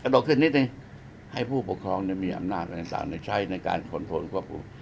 ต่อขึ้นนิดนึงให้ผู้ปกครองมีอำนาจต่างในการควบคุม